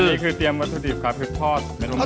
อันนี้คือเตรียมวัตถุดิบครับคือทอดเม็ดโม่งครับ